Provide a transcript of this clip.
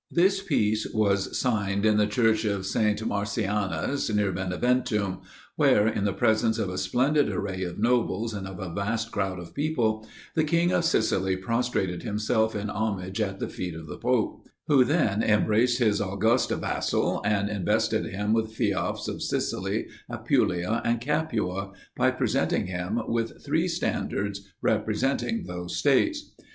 This peace was signed in the church of St. Marcianus near Beneventum; where, in the presence of a splendid array of nobles, and of a vast crowd of people, the king of Sicily prostrated himself in homage at the feet of the pope; who then embraced his august vassal, and invested him with feoffs of Sicily, Apulia, and Capua, by presenting him with three Standards representing those states.